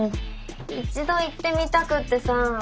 一度行ってみたくってさあ。